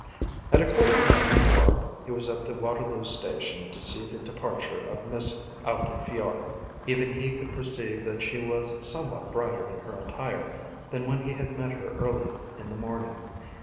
At a quarter past four he was at the Waterloo Station to see the departure of Miss Altifiorla. Even he could perceive that she was somewhat brighter in her attire than when he had met her early in the morning.